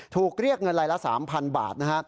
ถูกเรียกเงินรายละ๓๐๐บาทนะฮะ